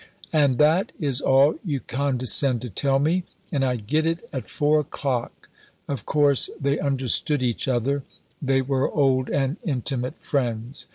"And that is all you condescend to tell me. And I get it at 4 o'clock." Of course, they understood each other; they were old and intimate friends.